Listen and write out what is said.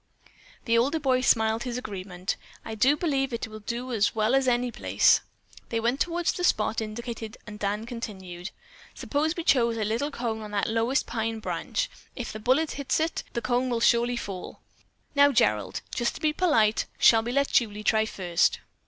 The older boy smiled his agreement. "I do believe it will do as well as any place." They went toward the spot indicated and Dan continued: "Suppose we choose a cone on that lowest pine branch. If a bullet hits it, the cone will surely fall. Now, Gerald, just to be polite, shall we let Julie try first?"